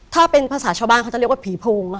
ถ้าเป็นภาษาชาวบ้านเขาจะเรียกว่าผีโพง